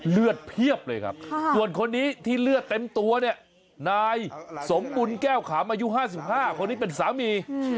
เพียบเลยครับส่วนคนนี้ที่เลือดเต็มตัวเนี่ยนายสมบุญแก้วขามอายุ๕๕คนนี้เป็นสามี